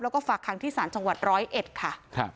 แล้วก็ฝากคังที่ศาลจังหวัด๑๐๑ค่ะ